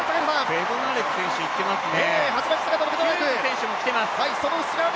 ベドナレク選手いってますね。